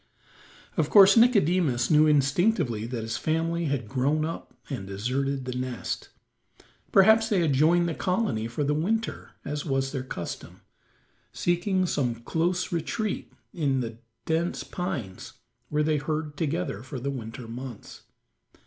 Of course Nicodemus knew instinctively that his family had grown up and deserted the nest. Perhaps they had joined the colony for the winter, as was their custom, seeking some close retreat in the dense pines where they herd together for the winter months.